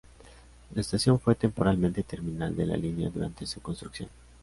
La estación fue temporalmente terminal de la línea durante su construcción.